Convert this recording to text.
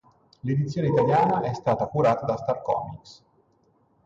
L'edizione italiana è stata curata da Star Comics.